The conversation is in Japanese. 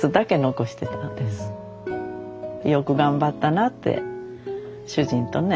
よく頑張ったなって主人とね。